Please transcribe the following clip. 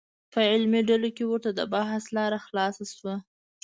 په علمي ډلو کې ورته د بحث لاره خلاصه شوه.